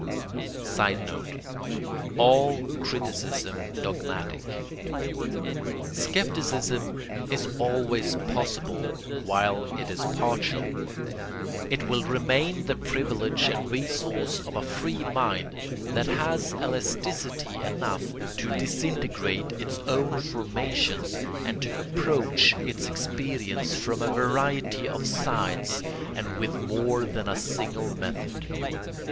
[Sidenote: All criticism dogmatic.] Scepticism is always possible while it is partial. It will remain the privilege and resource of a free mind that has elasticity enough to disintegrate its own formations and to approach its experience from a variety of sides and with more than a single method.